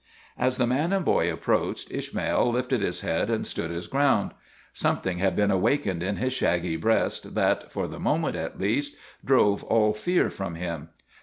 As the man and boy approached, Ishmael lifted his head and stood his ground. Something had been awakened in his shaggy breast that, for the moment at least, drove all fear from him.